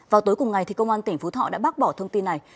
vào tối cùng ngày công an tỉnh phú thọ đã bác bỏ thông tin này